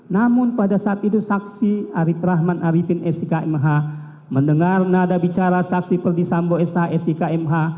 namun pada saat itu saksi arif rahman arifin s i k m h mendengar nada bicara saksi perdisambo s a s i k m h